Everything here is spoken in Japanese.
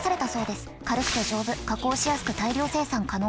軽くて丈夫加工しやすく大量生産可能。